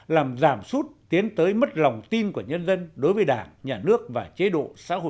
làm giảm sút tiến tới mất lòng tin của nhân dân đối với đảng nhà nước và chế độ